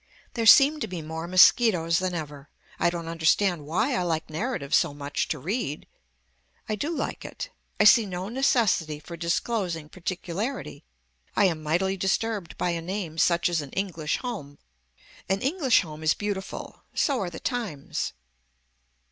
There seem to be more mosquitoes than ever. I don't understand why I like narrative so much to read. I do like it. I see no necessity for disclosing particularity I am mightily disturbed by a name such as an English home. An English home is beautiful. So are the times.